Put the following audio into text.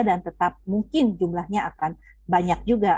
dan tetap mungkin jumlahnya akan banyak juga